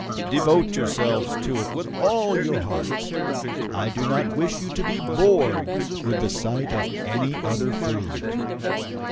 Devote yourselves to it with all your hearts. I do not wish you to be bored with the sight of any other food.